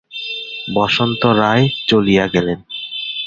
বসন্ত রায় চলিয়া গেলেন।